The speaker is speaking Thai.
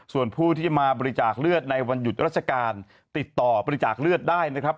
ส่วนผู้ที่มาบริจาคเลือดในวันหยุดราชการติดต่อบริจาคเลือดได้นะครับ